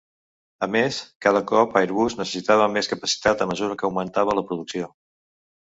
A més, cada cop Airbus necessitava més capacitat a mesura que augmentava la producció.